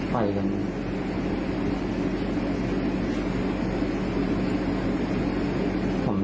ไปกัน